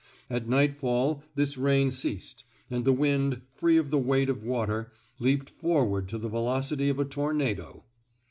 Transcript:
At nightfall this rain ceased; and the wind, free of the weight of water, leaped forward to the velocity of a tornado.